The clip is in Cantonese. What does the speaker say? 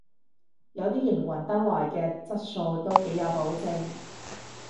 有啲營運得耐嘅質素都幾有保證